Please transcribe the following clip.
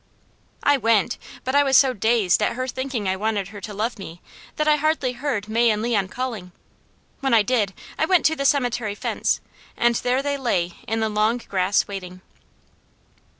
I went, but I was so dazed at her thinking I wanted her to love me, that I hardly heard May and Leon calling; when I did I went to the cemetery fence and there they lay in the long grass waiting.